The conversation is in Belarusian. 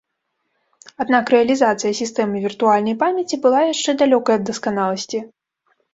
Аднак рэалізацыя сістэмы віртуальнай памяці была яшчэ далёкай ад дасканаласці.